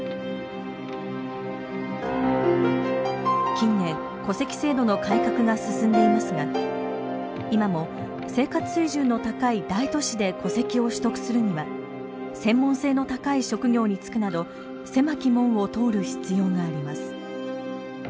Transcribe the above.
近年戸籍制度の改革が進んでいますが今も生活水準の高い大都市で戸籍を取得するには専門性の高い職業に就くなど狭き門を通る必要があります。